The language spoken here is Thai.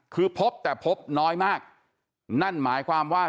คือพบแต่พบน้อยมากนั่นหมายความว่า